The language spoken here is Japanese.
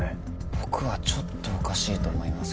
僕はちょっとおかしいと思いますけどね。